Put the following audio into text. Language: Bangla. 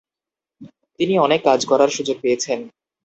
তিনি অনেক কাজ করার সুযোগ পেয়েছেন।